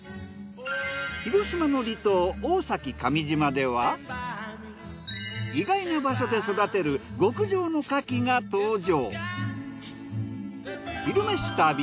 広島の離島大崎上島では意外な場所で育てる極上の牡蠣が登場。